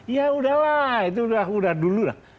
ya udahlah itu udah dulu lah